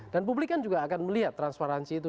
dan publik kan juga akan melihat transparansi itu